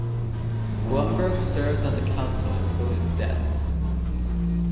Blumberg served on the Council until his death.